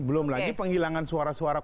belum lagi penghilangan suara suara